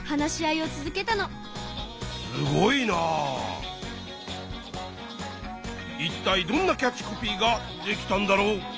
いったいどんなキャッチコピーができたんだろう？